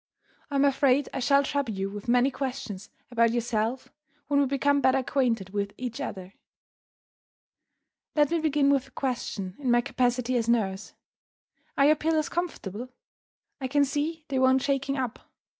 I am afraid I shall trouble you with many questions about yourself when we become better acquainted with each other. Let me begin with a question, in my capacity as nurse. Are your pillows comfortable? I can see they want shaking up.